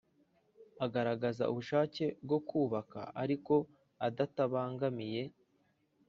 ugaragaza ubushake bwo kubaka ariko adatabangamiye